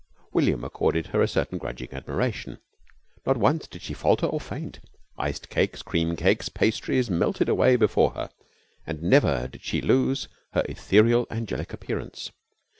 William accorded her a certain grudging admiration. Not once did she falter or faint. Iced cakes, cream cakes, pastries melted away before her and never did she lose her ethereal angelic appearance.